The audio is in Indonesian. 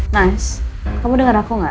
mas kamu denger aku gak